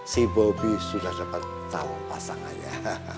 si bobby sudah dapat calon pasangannya